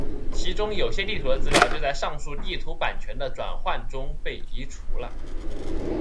其中有些地图的资料就在上述地图版权的转换中被移除了。